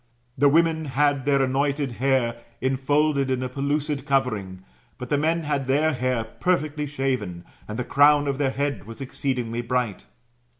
The women had their anointed hair in folded in a pellucid covering; but the men had their hair perfectly shaven, and the crown of their head was exceedingly bright.